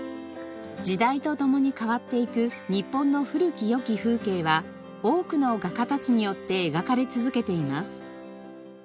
時代とともに変わっていく日本の古き良き風景は多くの画家たちによって描かれ続けています。